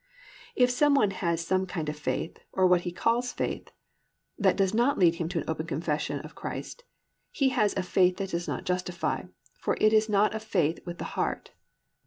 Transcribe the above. If some one has some kind of faith, or what he calls faith, that does not lead him to an open confession of Christ, he has a faith that does not justify; for it is not a faith with the heart.